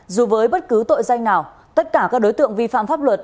dù với bất cứ tội danh nào tất cả các đối tượng vi phạm pháp luật